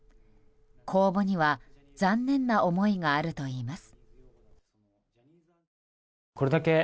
公募には残念な思いがあるといいます。